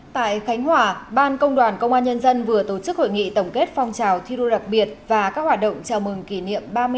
tại khánh hòa ban công đoàn công an nhân dân vừa tổ chức hội nghị tổng kết phong trào thi đua đặc biệt và các hoạt động chào mừng kỷ niệm